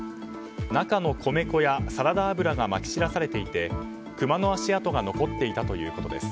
中の米粉やサラダ油がまき散らされていてクマの足跡が残っていたということです。